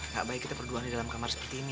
gak baik kita berdua di dalam kamar seperti ini